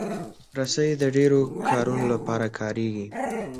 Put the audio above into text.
رسۍ د ډیرو کارونو لپاره کارېږي.